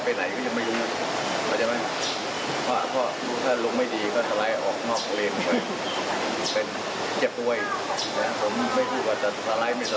ผมไม่พูดว่าจะสไลด์ไม่สไลด์ผมขอแค่ให้ทุกคนเข้าใจ